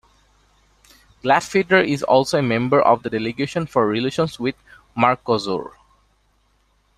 Glattfelder is also a member of the Delegation for relations with Mercosur.